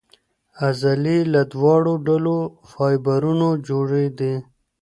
عضلې له دواړو ډولو فایبرونو جوړې دي.